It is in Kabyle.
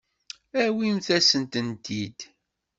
Awimt-asen-tent-id.